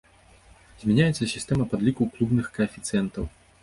Змяняецца сістэма падліку клубных каэфіцыентаў.